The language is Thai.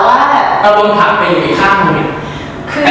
แต่ต้องทักอยู่ที่ห้ามนึง